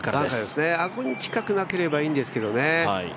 アゴに近くなければいいんですけどね。